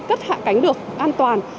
cất hạ cánh được an toàn